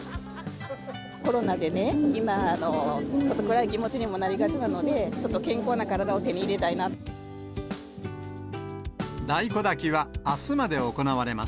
コロナでね、今、ちょっと暗い気持ちにもなりがちなので、ちょっと健康な体を手に大根だきはあすまで行われま